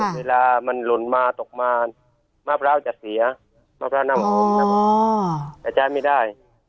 เวลามันหลุนมาตกมามะพร้าวจะเสียอ๋อแต่แจ้งไม่ได้